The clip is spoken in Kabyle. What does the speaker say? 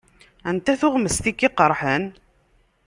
Anta tuɣmest i k-iqeṛḥen?